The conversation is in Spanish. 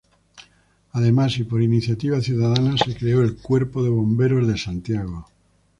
Además, y por iniciativa ciudadana, se creó el Cuerpo de Bomberos de Santiago.